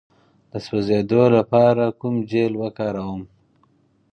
د سوځیدو لپاره کوم جیل وکاروم؟